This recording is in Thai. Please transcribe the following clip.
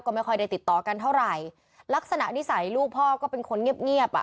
ก็ไม่ค่อยได้ติดต่อกันเท่าไหร่ลักษณะนิสัยลูกพ่อก็เป็นคนเงียบเงียบอ่ะ